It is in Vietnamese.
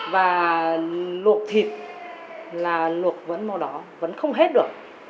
và lọc thịt là lọc vẫn màu đỏ vẫn không hết được